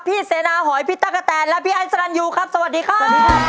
เสนาหอยพี่ตั๊กกะแตนและพี่ไอ้สรรยูครับสวัสดีครับ